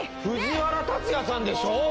藤原竜也さんでしょ？